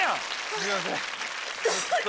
すいません。